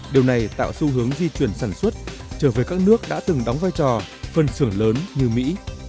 điều này tạo xu hướng di chuyển sản xuất trở về các nước đã từng đóng vai trò phân xưởng lớn như mỹ